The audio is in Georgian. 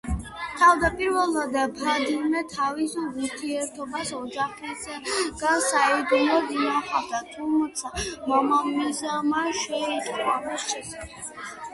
თავდაპირველად, ფადიმე თავის ურთიერთობას ოჯახისგან საიდუმლოდ ინახავდა, თუმცა, მამამისმა შეიტყო ამის შესახებ.